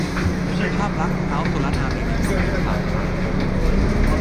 ภาพลักษณท้าวสุรนารีในประวัติศาสตร์ไทย